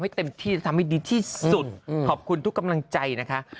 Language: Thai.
ไม่เอียงไม่ใช่เอ